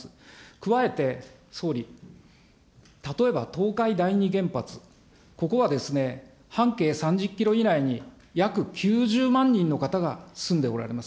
加えて総理、例えば東海第二原発、ここは半径３０キロ以内に約９０万人の方が住んでおられます。